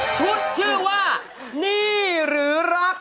ชุดชื่อว่านี่หรือรัก